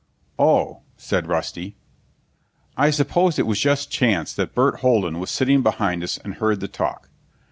"Oh," said Rusty. I suppose it was just chance that Burt Holden was sitting behind us and heard the talk.